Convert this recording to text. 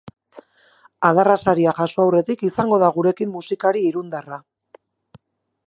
Adarra saria jaso aurretik izango da gurekin musikari irundarra.